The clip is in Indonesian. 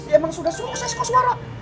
dia emang sudah sukses koswara